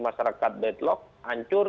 masyarakat deadlock hancur